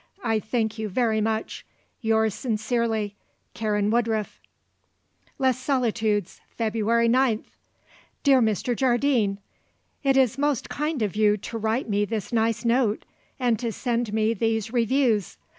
I thank you very much. Yours sincerely, "Karen Woodruff." "Les Solitudes, "February 9th. "Dear Mr. Jardine, It is most kind of you to write me this nice note and to send me these reviews.